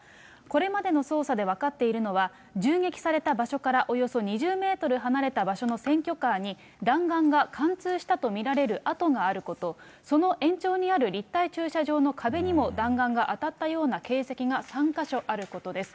これまでの捜査で分かっているのは、銃撃された場所からおよそ２０メートル離れた場所の選挙カーに、弾丸が貫通したと見られる痕があること、その延長にある立体駐車場の壁にも弾丸が当たったような形跡が３か所あることです。